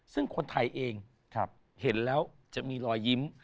ซึ่งคนไทยเองเห็นแล้วจะมีรอยยิ้ม